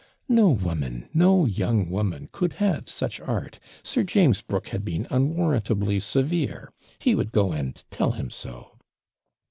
'No woman, no young woman, could have such art. Sir James Brooke had been unwarrantably severe; he would go and tell him so.'